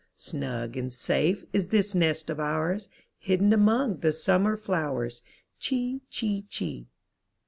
Snug and safe is this nest of ours. Hidden among the summer flowers, Chee, chee, chee.